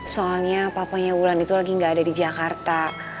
soalnya papanya ulan itu lagi gak ada di jakarta